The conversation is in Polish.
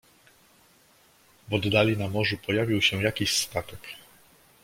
"W oddali, na morzu pojawił się jakiś statek."